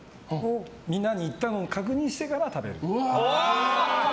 みんなに行ったのを確認してから食べる。